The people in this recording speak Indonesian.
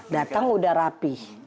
datang udah rapi